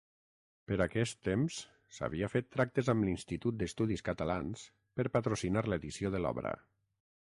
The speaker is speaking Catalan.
Per aquest temps s'havia fet tractes amb l'Institut d'Estudis Catalans, per patrocinar l'edició de l'obra.